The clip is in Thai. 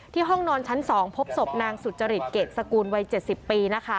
ที่ห้องนอนชั้นสองพบศพนางสุจริตเกดสกูลวัย๗๐ปี